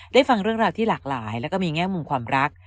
ฟังเรื่องราวที่หลากหลายแล้วก็มีแง่มุมความรัก